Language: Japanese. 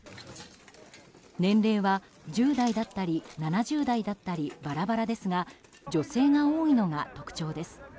年齢は１０代だったり７０代だったりバラバラですが女性が多いのが特徴です。